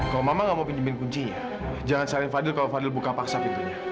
kalau mama gak mau pinjamin kuncinya jangan saling fadil kalau fadil buka paksa pintunya